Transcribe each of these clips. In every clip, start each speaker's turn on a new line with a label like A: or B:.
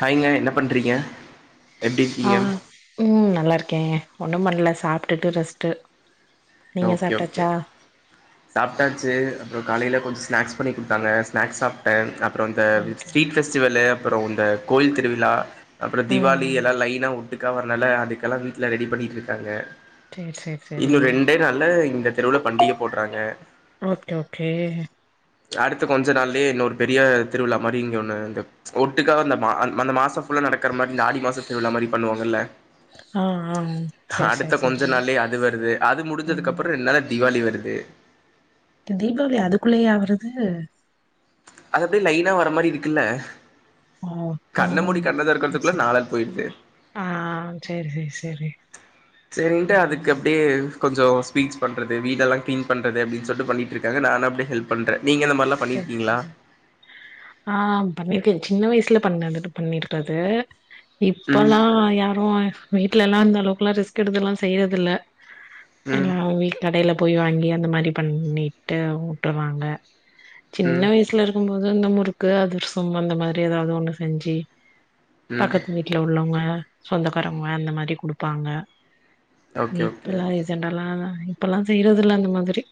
A: ஹாய்ங்க என்ன பண்றீங்க எப்டி
B: ஆ
A: இருக்கீங்க
B: ம் நல்லா இருக்கேங்க ஒண்ணும் பண்ல சாப்ட்டுட்டு ரெஸ்ட்டு நீங்க சாப்ட்டாச்சா
A: சாப்ட்டாச்சி அப்றொ காலைல கொஞ்சொ ஸ்நாக்ஸ் பண்ணிக் குடுத்தாங்க ஸ்நாக்ஸ் சாப்ட்ட அப் அப்றொ இந்த
B: ஓகே
A: ஸ்ட்ரீட் ஃபெஸ்டிவலு அப்பறொ இந்த கோயில் திருவிழா அப்றொ தீவாளி
B: ம்
A: எல்லா லைனா ஒட்டுக்கா வர்னால அதுக்கெல்லா வீட்ல ரெடி பண்ணியிட்ருக்காங்க
B: சேரி சேரி சேரி
A: இன்னு ரெண்டே நாள்ல இந்த தெருவுல பண்டிகப்
B: ஓகே ஓகே
A: அடுத்த கொஞ்ச நாள்லயே இன்னொரு பெரிய திருவிழா மாரி இங்க ஒன்னு இது ஒட்டுக்கா அந்த மா அந் அந்த மாசொ ஃபுல் நடக்கற மாரி இந்த ஆடி மாசொ திருவிழா மாரி பண்ணுவாங்கல்ல
B: ஆ ஆ சேரி
A: அடுத்த
B: சேரி சேரி
A: கொஞ்சொ நாள்லயே அது வருது அது
B: ம்
A: முடிஞ்சதுக்கப்பறொ ரெண் நாள்ல தீவாளி வரு து
B: தீபாவளி அதுக்குள்ளேயா வருது
A: அது அப்டே லைனா வர்ற மாரி இருக்குல்ல
B: ஓ
A: கண்ண
B: ம்
A: மூடி கண்ணத்
B: சேரி
A: தெறக்கற்த்துக்குள்ள
B: சேரி
A: நாளாட் போய்ருது
B: ஆ சேரி சேரி சேரி
A: சேரின்ட்டு
B: ம்
A: அதுக்கப்டே கொஞ்சொ ஸ்வீட்ஸ் பண்றது வீடல்லா க்ளீன் பண்றது அப்டின் சொல்ட்டு பண்ணிட்ருக்காங்க நானு அப்டி ஹெல்ப் பண்ற நீங்க இந்த மா
B: செ ஆ பண்ணியிருக்க சின்ன வயஸ் ல பண்ணதுன்ட்டு பண்ணிட்றது
A: ம்
B: இப்பொல்லா யாரு வீட்லேல்லா அந்த ளவுக்லா ரிஸ்க்கெடுத்துல்லா செய்றதில்ல
A: ம்
B: எல்லா ஒன்லி கடைல போய் வாங்கி அந்த மாரி பண்ணிட்டு உட்டுர்றாங்க சின்ன
A: ம்
B: வயசுல இருக்கம்போது இந்த முறுக்கு அதிரசம் அந்த மாரி ஏதாவ்து ஒண்ணு செஞ்சி
A: ம்
B: பக்கத்து வீட்ல உள்ளவங்க சொந்தக்காரவ்ங்க அந்த மாரி குடுப்பாங்க
A: ஓகே ஓகே
B: இப்பல்லா ரீசன்ட்டால்லா இப்பல்லா செய்றதில்ல அந்த மாதிரி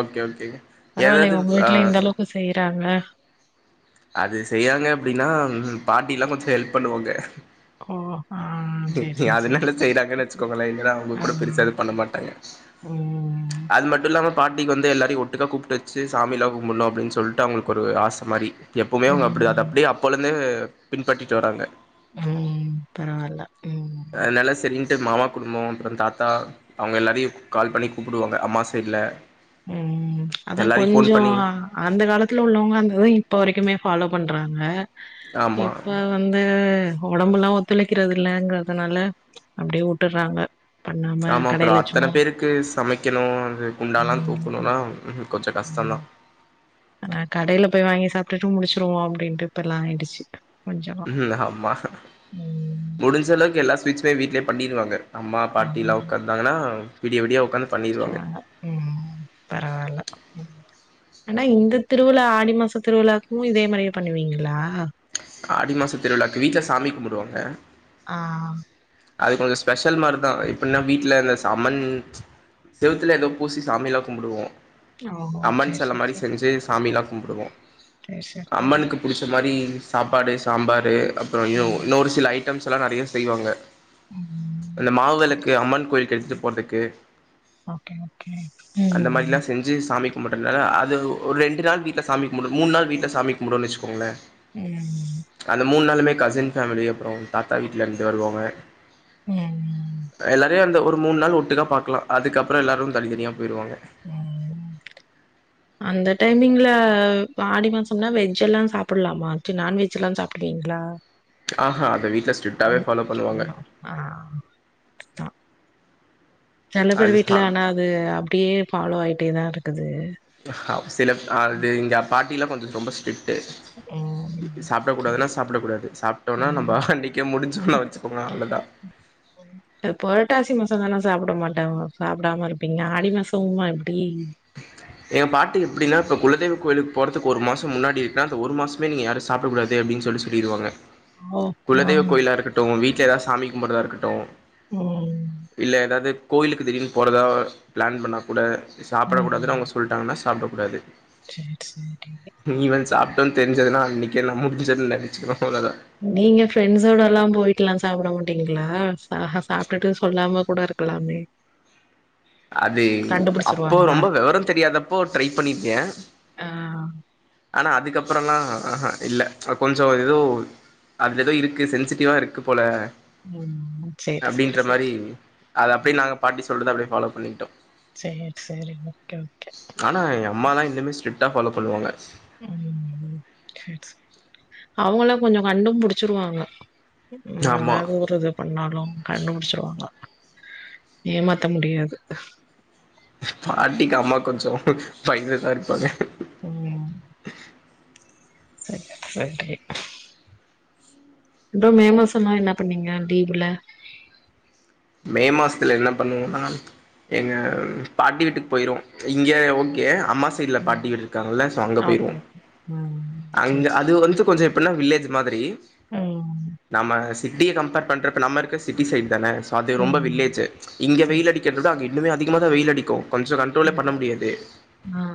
A: ஓகே ஓகே
B: பரவாயில்லயே ஒங்க வீட்ல இந்தளவுக்கு செய்றாங்க
A: அது செய்யாங்க அப்டின்னா பாட்டில்லா கொஞ்சொ எல்ப் பண்ணுவாங்க
B: ஓ ஆ சரி, சரி, சரி.
A: அதுனால செய்றாங்கன் வெச்சுக்கோங்களே இல்லன்னா அவுங்கக்
B: ஆ.
A: கூட பெருசா எதும் பண்ண மாட்டாங்க
B: ம்.
A: அது மட்டு இல்லாம பாட்டிக்கு வந்து எல்லாரையு ஒட்டுக்கா கூப்ட்டெச்சி சாமில்லா கும்புண்யணு அப்டின் சொல்ட்டு அவுங்களுக்கு ஒரு ஆச மாரி எப்பவ்மே அவுங்க அப்டிதா அத
B: ம்.
A: அப்டியே அப்போலேந்தே பின்பற்றிட்டு வராங்க
B: ம் ம் பரவால்ல ம்
A: அத்னால செரின்ட்டு மாமா குடும்போ அப்புறோ தாத்தா அவுங்க எல்லாரையு கால் பண்ணி கூப்டுவாங்க அமாவாசைக் இல்ல
B: ம் அதா கொஞ்சோ அந்த காலத்துல உள்ளவுங்க அந்த தா இப்ப வரைக்குமே ஃபாலோ பண்றாங்க
A: ஆமா
B: இப்ப வந்து ஒடம்புல்லா ஒத்துழைக்கறது இல்லங்கறதுனால அப்டியே உட்டுறாங்க
A: ஆமா அப்றோ அத்தன பேருக்கு சமைக்கணோ அது குண்டாலா
B: ம்
A: தூக்கணோனா கொஞ்ச கஷ்டோந் தா
B: ம் ஆனா கடைல போய் வாங்கி சாப்ட்டுட்டு முடிச்சுருவோ அப்டின்ட்டு இப்பலா ஆயிடுச்சு கொஞ்சமா
A: ம் ஆமா
B: ம்
A: முடிஞ்சளவுக்கு எல்லா சா ஃபிச் ஃப்ரை வீட்லயே பண்ணிருவாங்க அம்மா பாட்டில்லா ஒக்காந்தாங்கன்னா விடிய விடிய ஒ
B: ஸ்ட்ராங்கா ம் பரவால்ல ம் ஆனா இந்த திருவிழா ஆடி மாச திருவிழாக்கோ இதே மாரியே பண்ணுவீங்களா
A: ஆடி மாச திருவிழாக்கு வீட்ல சாமி கும்புடுவாங்க
B: ஆம்
A: அது கொஞ்சோ ஸ்பெஷல் மார்தா எப்டீன்னா வீட்ல இந்த சமன் செவுத்துல ஏதோ பூசி சாமிலா கும்புடுவோ
B: ஓஹோ
A: அம்மன்
B: சேரி
A: செல
B: சேரி
A: மாரி
B: சேரி
A: செஞ்சு சாமிலா கும்புடுவோ
B: சேரி சேரி சேரி
A: அம்மனுக்கு புடிச்ச மாரி சாப்பாடு சாம்பாரு அப்புறோ யோ
B: ம்
A: இன்னோரு சில ஐட்டம்ஸ்லா நறைய செய்வாங்க
B: ம்
A: அதுல
B: சேரி
A: மாவ்வெளக்கு அம்மன் கோயில்க்கு எத்துட்டு போறதுக்கு
B: ஓகே ஓகே ம்
A: கும்புட்டுலதா அது ஒரு ரெண்டு நாள் வீட்ல சாமி கும்புட்னோ மூணு நாள் வீட்ல சாமி கும்புடுவோனு வெச்சுகோங்களே
B: ம்
A: கசின் ஃபேமிலி அப்புறோ தாத்தா வீட்லருந்து வருவாங்க
B: ம்
A: எல்லாரையு அந்த ஒ மூணு நாள் உட்டு தா பாக்கலா அதுக்கப்புறோ எல்லாரு தனிதனியா போயிருவாங்க
B: நீங்களே ஆடி மாசம்னா வெஜ் எல்லா சாப்புலாமா ச்ச நான்வெஜ்லா சாப்பிடுவீங்களா
A: ஆ ஹா அத வீட்ல ஸ்ட்ரிக்டாவே ஃபாலோ பண்ணுவாங்க
B: ஆ தா செல பேரு
A: அது
B: வீட்ல ஆனா அது அப்டியே பாஃலோ ஆய்ட்டேதா இருக்குது
A: ஹ சில அ இது இங்க பாட்டிலா கொஞ்சோ ரொம்ப ஸ்ட்ரிட் ட்டு இ
B: ம்
A: இ
B: சேரி
A: சாப்டக்கூடாதுன்னா
B: சேரி
A: சாப்டக்கூடாது சாப்ட்டோனா நம்போ
B: ம்
A: அன்னிக்கே முடிஞ்சோன்னு வெச்சுக்கோங்க அவ்ள தா
B: ட்ட பொரட்டாசி மாசோ தா நா சாப்ட மாட்டாங்க சாப்டாம இருப்பீங்க ஆடி மாசமுமா இப்டி
A: ஏ பாட்டி எப்டீன்னா இப்ப குலதெய்வோ கோயிலுக்கு போறதுக்கு ஒரு மாசோ முன்னாடி இருக்குன்னா அந்த ஒரு மாசமே நீங்க யாரோ சாப்டக்கூடாது அப்டீன் ன்னு சொல்ட்டு சொல்லிருவாங்க
B: ஓ ஆ
A: குலதெய்வ கோயிலா இருக்கட்டோ வீட்ல ஏதாது சாமி கும்பட்றதா இருக்கட்டோ
B: ம்
A: இல்ல எதாது கோயிலுக்கு திடீர்னு போறதா பிளான் பண்ணா கூட சாப்டக்கூாதுன்னு அவுங்க சொல்ட்டாங்கனா சாப்டக்கூடாது
B: செரி செரிங்க
A: தெர்ஞ்சதுன்னா அன்னிக்கே நா முடிஞ்சதுன்னு நெனச்சுக்கணோ
B: நீங்க ஃப்ரெண்ட்ஸோடலா போயிட்டுலா சாப்ட மா ட்டீங்களா அஹ சாப்ட்டுட்டு சொல்லாம கூட இருக்கலாமே
A: அது அப்போ
B: கண்டுபுடிச்சிருவாங்களா?
A: ரொம்போ வெவரம் தெரியாதப்போ ட்ரை பண்ணிர்க்கே
B: ஆ
A: ஆனா அதுக்கப்புறோலா ஆஹஹா இல்ல கொஞ்சோ எதோ அதுல எதோ இருக்கு சென்சிட்டிவோ இருக்கு போல
B: உம் செரி செரி செரி
A: அத அப்டியே நாங்க பாட்டி சொல்றது அப்டியே ஃபாலோ பண்ணிகிட்டோ
B: செரி செரி ஓகே ஓகே
A: ஆனா எ அம்மாலா இந்த மேரி ஸ்ட்ரிக்ட்டா ஃபாலோ பண்ணுவாங்க
B: ம் தேங்க்ஸ் அவுங்களு கொஞ்சோ கண்டு புடிச்சிருவாங்க
A: ஆமா
B: என்னதாது ஒரு இது பண்ணாலு கண்டு புடிச்சிருவாங்க ஏமாத்த முடியாது
A: பாட்டிக்கு அம்மா கொஞ்சோ பயந்துதா இருப்பாங்க
B: ம்
A: ம்ம்ம்
B: சரி சரி ப்ரோ மே மாசலெல்லா என்ன பண்ணீங்க லீவ்வுல
A: மே மாசத்ல என்ன பண்ணுவுனா எங்க பாட்டி வீட்டுக்கு போய்ரு இங்க ஓகே அம்மா சைட்ல
B: ம்
A: பாட்டி வீடு இருக்காங்கல்ல ஸோ அங்க
B: ஓகே
A: போய்ருவோ
B: ஓகே ம்
A: அங்க
B: சேரி
A: அது
B: சேரி சேரி
A: வந்து கொஞ்சோ எப் பினா வில்லேஜ் மாதிரி
B: ம்
A: நம்ம சிட்டிய கம்பேர் பண்றப்ப நம்மருக்க சிட்டி சைட் தான சோ அது ரொம்ப
B: ம்
A: வில்லேஜு இங்க
B: சேரி
A: வெயில்
B: சேரி
A: அடிக்கறது தா அங்க இன்னுமே அதிக மா தா வெயில் அடிக்கு கொஞ்ச கண்ட்ரோலே
B: ம்
A: பண்ண முடியாது
B: ஆ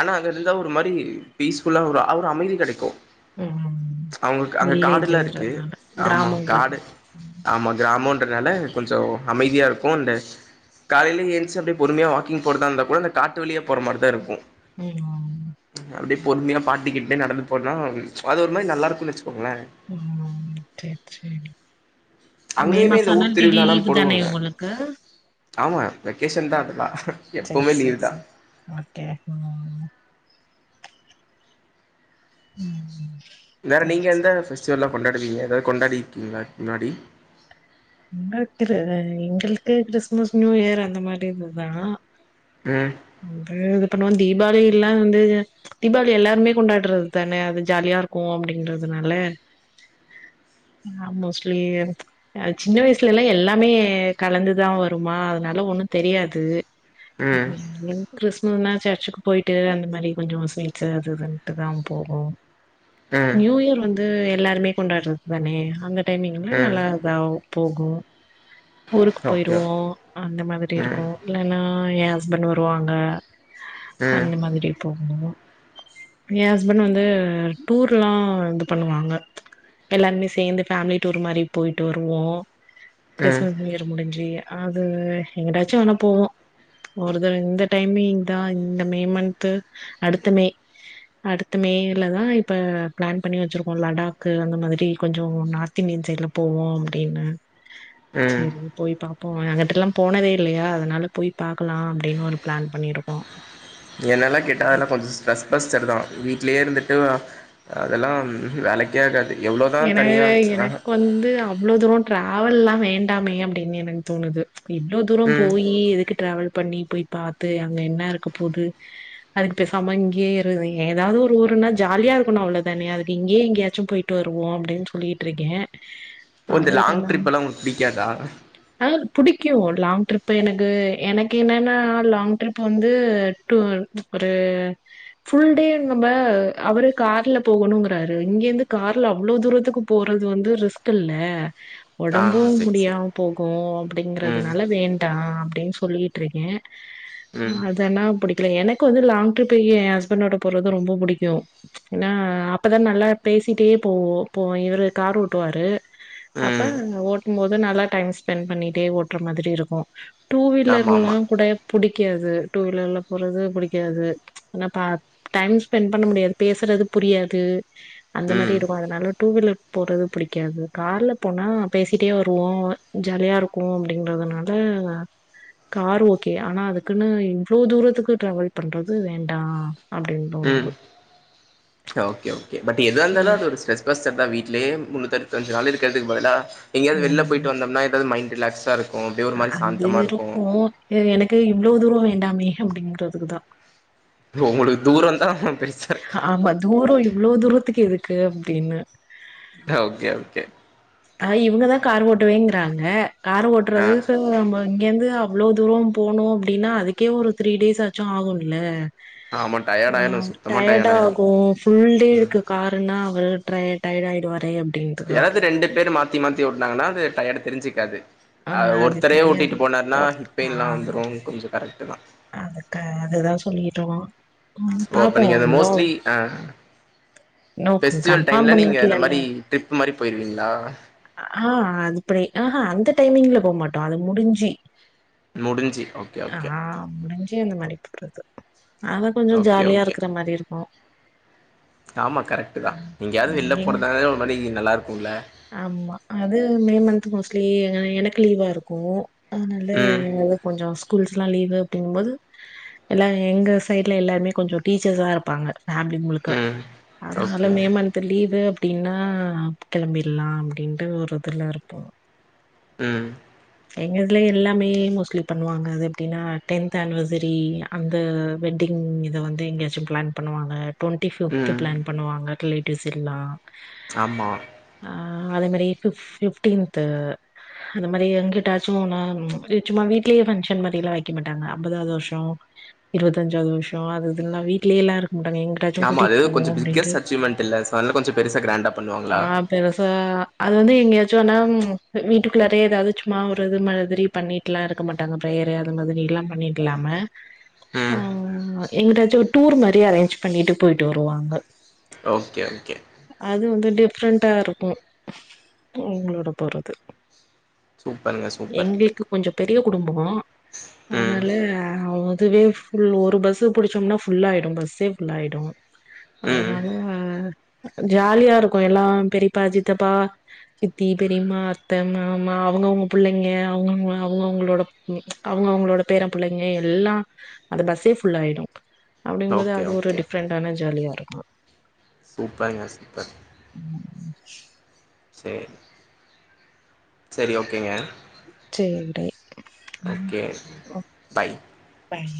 A: ஆனா அங்க இருந்தா ஒரு மாரி பீஸ் ஃபுல்லா ஒரு ஒரு அமைதி கெடைக்கு
B: ம்
A: அவுங்களுக் அங்க காடெல்லா இருக்கு
B: வில்லேஜ்ன்றதுனால
A: ஆமா காடு
B: கிராமங்கிறதுனால
A: ஆமா கிராமோன்றனால கொஞ்சோ அமைதியா இருக்கு அண்ட் காலைல ஏந்ச்சி அப்டியே பொறுமையா வாக்கிங் போறதாருந்தா கூட அந்த காட்டு வழியே போற மாரி தா இருக்கு
B: ம்
A: அப்டியே பொறுமையா பாட்டிக்கேட்டே நடந்து போனா அது ஒரு மாரி நல்லாருக்குன் வெச்சிக்கோங்ளே
B: ம் செரி செரி மே
A: அங்கயுமே இந்த
B: மாசனா
A: ஊர்
B: தி டி
A: திருவிழாலா
B: லீவ் தான
A: போடுவாங்க
B: ஒனக்கு
A: ஆமா வெக்கேஷன் தா அதெல்லா
B: சேரி
A: எப்போவுமே லீவ்
B: சேரி
A: தா
B: சேரி ஓகே ம் ம்
A: வேற
B: சேரி
A: நீங்க எந்த
B: சேரி
A: ஃபெஸ்டிவெல்லா கொண்டாடுவீங்க எதாவது கொண்டாடிருக்கீங்ளா முன்னாடி
B: எங்களுக் இது எங்களுக்கு கிறிஸ்மஸ் நியூயர் அந்த மாரி இது தா
A: ம்
B: அ இது பண்ணுவோ தீபாவளி எல்லா வந்து தீபாவளி எல்லாருமே கொண்டாட்றது தான அது ஜாலியா தியார்கு அப்டின்றதுனால நா மோஸ்ட்லி அ சின்ன வயசுல எல்லா எல்லாமே கலந்துதா வருமா அதனால ஒ ன்னு தெரியாது
A: ம்
B: க்றிஸ்முன்னா சர்ச்சுக்கு போய்ட்டு அந்த மாரி கொஞ்சோ ஸ்வீட்ஸு அது இதுன்ட்டுதா போகு
A: ம்
B: நியூயர் வந்து எல்லாருமே கொண்டாறத் தானே அந்த டைமிங்ல
A: ம்
B: நல்ல இதாவு போகு ஊருக்கு
A: ஓகே
B: போய்ருவோ அந்த மாதிரி
A: ம்
B: இருக்கு இல்லன்னா அ எ ஹஸ்பண்ட் வருவாங்க
A: ம்
B: அந்த மாதிரிப்போ எ ஹஸ்பண்ட் வந்து டூர்லா இது பண்ணுவாங்க எல்லாருமே சேந்து ஃபேமிலி டூர் மாரி போய்ட்டு வருவோ
A: ம்
B: கிறிஸ்மஸ் நியூஇயர் முடிஞ்சி அது எங்கிட்டாச்சு வேனா போவோ ஒரு தா இந்த டைமிங் தா இந்த மேமன்து அடுத்த மே அடுத்த மேல தா இப்ப பிளான் பண்ணி வச்சிருக்கோ லடாக்கு அந்த மாதிரி கொஞ்சோ நார்த் இந்தி யன் சைட்ல போவோ அப்டினு
A: ம்
B: செரி போய் பாப்போ அங்கட்டுல்லா போனதே இல்லையா அதனால போய் பாக்கலா ஆப்டினு ஒரு ப்ளான் பண்ணிருக்கோ
A: என்னெல்லா கேட்டா அதெல்லா கொஞ்ச ஸ்ட்ரஸ் பஸ்டர் தா வீட்லேயே இருந்துட் டு அதெல்லா வேலைக்
B: என எனக் வந்து அவ்ளோ தூரோ ட்ரா ஆவெல்லா வேண்டாமே அப்டின் எனக்கு தோணுது இவ்ளோ தூரோ
A: ம்
B: போயி எதுக்கு டிராவல் பண்ணி போய் பாத்து அங்க என்ன இருக்க போது அதுக்கு பேசாம இங்கே இரு ஏதாவது ஒரு ஊர்னா ஜா லியா இருக்கனு அவ்ளோ தானே அதுக்கு இங்கேயே எங்கேயாச்சும் போயிட்டு வருவோம் அப்டின்னு சொல்லிட்டு இருக்கே
A: ஓ இந்த லாங் ட்ரிப் எல்லாம் உங்களுக்கு பிடிக்காதா
B: ஆ புடிக்கும் லாங் ட்ரிப் எனக்கு எனக்கு என்னெனா லாங் ட்ரிப் வந்து டூ ஒரு ஃபுல்டே நம்ம அவுரு கார்ல போகணுங்குறாரு இங்க இருந்து கார்ல அவ்ளோ தூரத்துக்கு போறது வந்து ரிஸ்க் இல்ல
A: ஆ
B: உடம்பும்
A: சரி சரி
B: முடியாம போகும்
A: ம்
B: அப்டிங்குறதுனால வேண்டா அப்டினு சொல்லிட்டு இருக்கேன்
A: ம்
B: அதனா பிடிக்கல எனக் க்கு வந்து லாங் ட்ரிப் என் ஹஸ்பண்டோட போறது ரொம்போ புடிக்கும் ஏனா அப்ப தான் நல்லா பேசிட்டே போவோம் இவுரு காரு ஓட்டுவாரு அப்ப
A: ம்
B: போது நல்லா டைம் ஸ்பென்ட் பண்ணிட்டே ஓட்டுற மாதிரி இருக்கும் டூ
A: ஆமாம் ஆமாம்
B: வீலர்லாம் கூட பிடி க்காது டூ வீலர்ல போறது புடிக்காது ஆனா டைம் ஸ்பென்ட் பண்ண முடியாது பேசுறது புரியாது அந்த மாரி
A: ம்
B: இருக்கும் அதனால டூ வீலர் போறது புடிக்காது கார்ல போனா பேசிட்டே வருவோம் ஜாலியா இருக்கும் அப்டிங்குறதுனால கார் ஓகே ஆனா அதுக்குன்னு இவ்ளோ தூரத்துக்கு ட்ராவல் பண்றது வேண்டா அப்டின்னு
A: உம்
B: தோணுது
A: ஓகே ஓகே பட் எதா இருந்தாலும்
B: ம்
A: அது ஒரு ஸ்பெஸ் சரிதான் வீடலயே முன்னூத்தி அருவத்தஞ்சி நாளு இருக்குறதுக்கு பதிலா எங்கேயாவது வெளில
B: ம்
A: போயிட்டு வந்தமனா எதா மைண்ட்டு ரிலாக்ஸா இருக்கும் அப்படியே ஒரு மாதிரி
B: அது
A: சாந்தமாக
B: இருக்கும் எனக்கு இவ்ளோ தூரம் வேண்டாமே அப்டிங்குறதுக்கு தான்
A: உங்களுக்கு தூரந்தா
B: ஆமா தூரோ இவ்ளோ தூரத்துக்கு எதுக்கு அப்டின்னு
A: ஓகே ஓகே
B: அ இவுங்க தான் கார் ஓட்டுவேங்குறாங்க கார்
A: ஆ
B: ஓட்டுறதுக்கு இங்கேருந்து அவ்ளோ தூரோ போணும் அப்படின்னா அதுக்கே ஒரு த்ரீ டேஸ் ஆச்சும் ஆகும்ல
A: ஆமா டயார்ட் ஆயிடும் ஸி
B: டயர்டா ஆகும் ஃபுல் டே இருக்கு காருன்னா அவுரு டயர்ட் ஆயிடுவார்
A: யாராது ரெண்டு பேரு மாத்தி மாத்தி ஓட்டுனாங்கன்னா அது டையட் தெரிஞ்சுக்காது
B: ஆ
A: அ
B: அது
A: ஒருத்தரே
B: தெரியாது
A: ஓட்டிட்டு போனாருனா ஹிப்
B: ஆ
A: பெயின்லாம் வந்துரும் கொஞ்சம் கரெக்ட்
B: அதுக்கு அது தான் சொல்லிட்டு இருக்கோம்
A: ஓ அப்ப
B: பாப்போம்
A: நீங்க அந்த
B: இன்னும்
A: மோஸ்ட்லி அ
B: நோக்கு
A: ஃபெஸ்டிவல்
B: கன்பாஃம்
A: டைம்ல நீங்க இந்த
B: பண்ணிக்கலல
A: மாரி ட்ரிப் மாரி போயிருவீங்களா
B: ஆஹ் அதுபடி ஆஹா அந்த டைமிங்ல போமாட்டோம் அது முடிஞ்சு
A: முடிஞ்சு ஓகே
B: ஆ
A: ஓகே
B: ‌ முடிஞ்சு அந்த மாரி போறது அதா கொஞ்சோ
A: ஓகே
B: ஜாலியா
A: ஓகே
B: இருக்குற மாரி இருக்கும்
A: ஆமா கரெக்ட் தான் எங்கயாது வெளில
B: எங்க
A: போறதுனாலே ஒரு மாதிரி நல்லா இருக்கும்ல
B: ஆமா அது மே மந்த் மோஸ்ட்லி எனக்கு லீவா இருக்கும்
A: ம்
B: அதனால கொஞ்சோ ஸ்கூல் லீவு போகும்போது எல்லாம் எங்க சைட்ல எல்லாருமே கொஞ்சோ டீச்சர்ஸ்ஸா இருப்பாங்க ஃபேமிலி முழுக்க
A: ம்
B: அதனால
A: ஓகே
B: மே மந்த் லீவு அப்டின்னா கிளம்பி லாம் அப்டின்ட்டு ஒரு இதுல இருப்போம்
A: உம்
B: எங்க ‌ இதுல எல்லாமே மோஸ்ட்லி பண்ணுவாங்க அது எப்டின்னா டென்த் ஆனிவர்சரி அந்த வெட்டிங் ம் இத வந்து எங்கேயாச்சும் பிளான் பண்ணுவாங்க டுவெண்ட்டி ஃபிப்து
A: ம்
B: பிளான் பண்ணுவாங்க ரிலேட்டிவ்ஸ் எல்லாம்
A: ஆமா
B: ஆ அதே மாரி பிஃப் பிஃப்டீன்து அந்த மாரி எங்கிட்டாசும்னா சும்மா வீட்லயே ஃபங்க்ஷன் மாரிலாம் வைக்க மாட்டாங்க அம்பதாவது வருஷோ இருவத்தஞ்சாவுது வருஷோ அது இதுனுல்லாம் வீட்லயே எல்லாரும்
A: ஆமா அது கொஞ்சா பிக்கஸ்ட் அச்சீவ்மெண்ட்ல சோ அது நால கொஞ்ஜோ பெருசா கிராண்டா பண்ணுவாங்களா
B: இப்ப அது வந்து எங்கேயாச்சும்னா வீட்டுக்குள்ளாரயே ஏதாவது சும்மா ஒரு இது மாதிரி பண்ணிட்டுலாம் இருக் கமாட்டாங்க பிரேயரு அது மாதிரி எல்லாம் பண்ணிருக்கலாமே
A: ம்
B: ஆமா ஆமா எங்காச்சு ஒரு டூர் மாரி அரேஞ்ச் பண்ணிட்டு போயிட்டு வருவாங்க
A: ஓகே ஓகே
B: டிஃப்ரெண்ட்டா இருக்கு அவுங்களோட போறது
A: சூப்பருங்க சூப்பர்
B: எங்களுக்கு கொஞ்சோ பெரிய குடும்போ
A: ம்
B: அதனால அவுங் அதுவே ஃபுல் ஒரு பஸ்சு புடிச்சோம்னா ஃபுல்லாயிடு பஸ்ஸே ஃபுல்லாய்டு
A: ம்
B: அதனால ஜாலியா இருக்கு எல்லா பெரிப்பா சித்தப்பா சித்தி பெரிம்மா அத்த மாமா அவுங்கவுங்க புள்ளைங்க அவுங்க அவுங்க அவுங்கவுங்களோட அவுங்க அவுங்களோட பேர புள்ளைங்க எல்லா அந்த பஸ்ஸே ஃபுல்லாயிடு அப்டிங்குபோது
A: ஓகே
B: அது ஒரு டிஃப்ரெண்டான ஜாலியா இருக்கு
A: சூப்பர்ங்க சூப்பர்
B: உம்
A: உம் சரி ஓகேங்க
B: ஏன்றாய்
A: ஓகே பாய்
B: பாய்